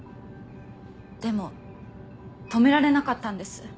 でも止められなかったんです。